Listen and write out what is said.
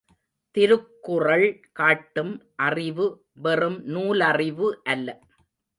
திருக்குறள் காட்டும் அறிவு வெறும் நூலறிவு அல்ல.